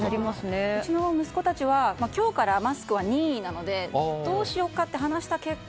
うちの息子たちは今日からマスクは任意なのでどうしようかって話した結果